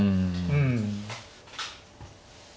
うん。